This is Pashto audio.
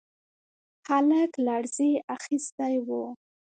هلک لړزې اخيستی و.